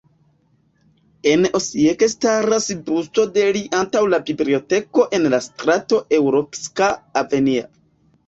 En Osijek staras busto de li antaŭ la biblioteko en la strato Europska Avenija.